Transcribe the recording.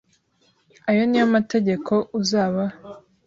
Aya ni yo mategeko uzabaha